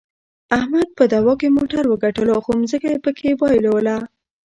احمد په دعوا کې موټر وګټلو، خو ځمکه یې پکې د وباییلله.